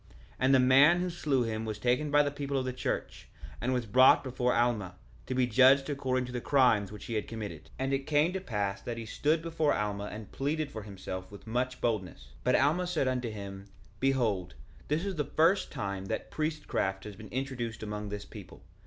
1:10 And the man who slew him was taken by the people of the church, and was brought before Alma, to be judged according to the crimes which he had committed. 1:11 And it came to pass that he stood before Alma and pleaded for himself with much boldness. 1:12 But Alma said unto him: Behold, this is the first time that priestcraft has been introduced among this people.